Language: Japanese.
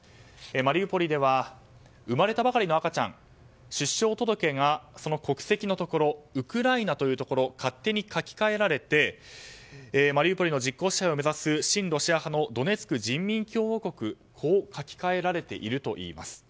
マリウポリでは生まれたばかりの赤ちゃん出生届が、その国籍のところウクライナというところを勝手に書き換えられてマリウポリの実効支配を目指す親ロシア派のドネツク人民共和国こう書き換えられているといいます。